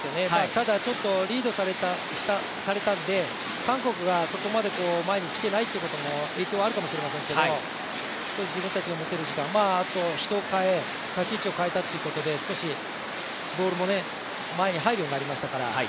ただ、ちょっとリードされたんで、韓国がそこまで前に来ていないということも影響あるかもしれませんけれども自分たちが持てる時間、あと人を代え、立ち位置を変えたということで、少しボールも前に入るようになりましたから。